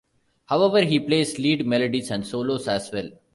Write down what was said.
However, he plays lead melodies and solos as well.